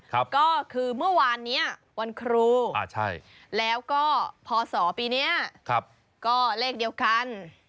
ก็คือเมื่อวานนี้วันครูแล้วก็พศปีนี้ก็เลขเดียวกัน